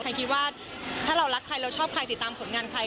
คิดว่าถ้าเรารักใครเราชอบใครติดตามผลงานใคร